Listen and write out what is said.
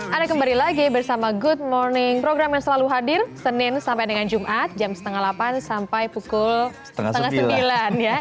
anda kembali lagi bersama good morning program yang selalu hadir senin sampai dengan jumat jam setengah delapan sampai pukul setengah sembilan ya